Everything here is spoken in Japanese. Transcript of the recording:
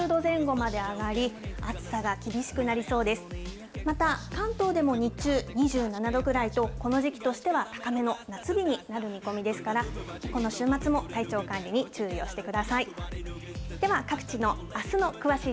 また関東でも日中２７度ぐらいと、この時期としては高めの夏日になる見込みですから、この週末も体調管理に注意をしてください。